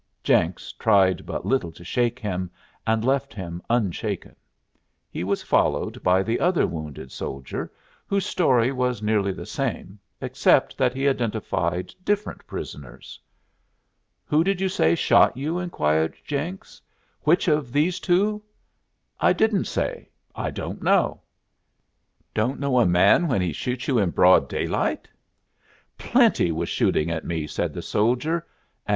Jenks tried but little to shake him, and left him unshaken. He was followed by the other wounded soldier, whose story was nearly the same, except that he identified different prisoners. "Who did you say shot you?" inquired Jenks. "Which of these two?" "I didn't say. I don't know." "Don't know a man when he shoots you in broad daylight?" "Plenty was shooting at me," said the soldier.